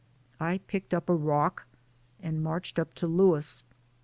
I picked up a rock and marched up to Louis.